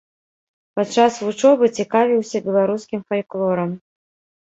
Падчас вучобы цікавіўся беларускім фальклорам.